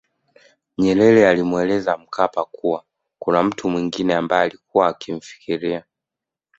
Nyerere alimweleza Mkapa kuwa kuna mtu mwengine ambaye ailikuwa akimfikiria